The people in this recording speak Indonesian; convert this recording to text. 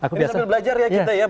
ini sambil belajar ya kita ya